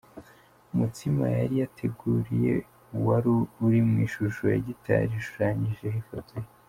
Umutsima yari yateguriwe wari uri mu ishusho ya gitari ishushanyijeho ifoto ye.